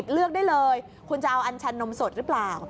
เลือกได้เลยคุณจะเอาอันชันนมสดหรือเปล่า